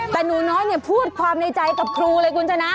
แต่หนูน้อยเนี่ยพูดความในใจกับครูเลยคุณชนะ